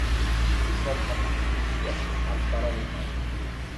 সব হাতের কাছেই আছে-হাত বাড়ালেই পাবে।